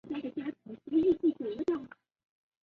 首先他们为这个项目订了高级优先权的级别。